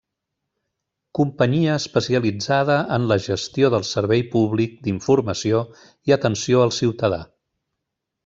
Companyia especialitzada en la gestió del servei públic d'informació i atenció al ciutadà.